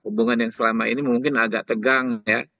hubungan yang selama ini mungkin agak tegang ya